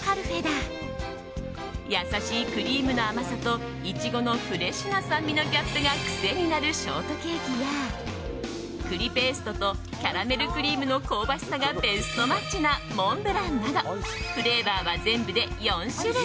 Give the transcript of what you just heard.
優しいクリームの甘さとイチゴのフレッシュな酸味のギャップが癖になるショートケーキや栗ペーストとキャラメルクリームの香ばしさがベストマッチなモンブランなどフレーバーは全部で４種類。